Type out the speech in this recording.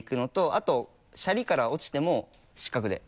あとシャリから落ちても失格で。